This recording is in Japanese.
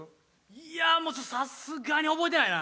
いやもうさすがに覚えてないな。